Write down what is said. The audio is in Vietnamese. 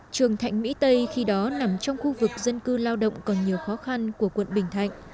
trường thạnh mỹ tây khi đó nằm trong khu vực dân cư lao động còn nhiều khó khăn của quận bình thạnh